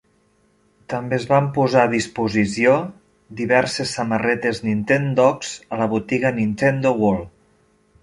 També es van posar a disposició diverses samarretes "Nintendogs" a la botiga Nintendo World.